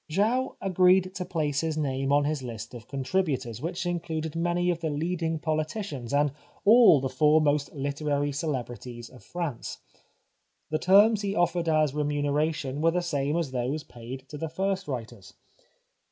Xau agreed to place his name on his list of contributors, which included many of the leading politicians and all the foremost literary celebrities of France. The terms he offered as remuneration were the same as those paid to the first writers.